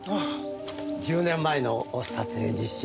１０年前の撮影日誌。